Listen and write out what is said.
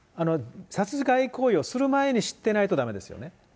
殺害行為をする前に知ってないとだめですよね。